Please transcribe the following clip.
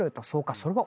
それは」